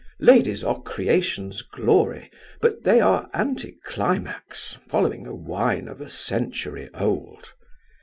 Ladies are creation's glory, but they are anti climax, following a wine of a century old.